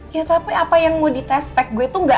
ya tapi apa yang mau ditespek gue tuh gak hamil